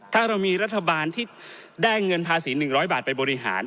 ถ้าเรามีรัฐบาลที่ได้เงินภาษี๑๐๐บาทไปบริหาร